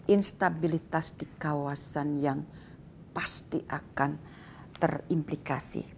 instabilitas di kawasan yang pasti akan terimplikasi